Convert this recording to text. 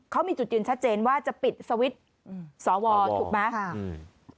เขามีจุดยืนชัดเจนว่าจะปิดสวิทธิ์สวถูกไหม